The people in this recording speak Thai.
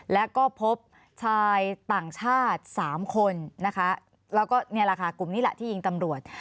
แล้วก็พบชายต่างชาติ๓คนนะคะแล้วก็นี่แหละค่ะกลุ่มนี้แหละที่ยิงตำรวจ